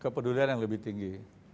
kepedulian yang lebih tinggi